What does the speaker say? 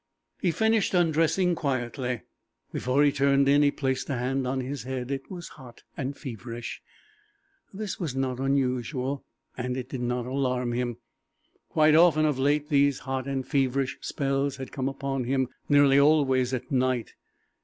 He finished undressing quietly. Before he turned in he placed a hand on his head. It was hot, feverish. This was not unusual, and it did not alarm him. Quite often of late these hot and feverish spells had come upon him, nearly always at night.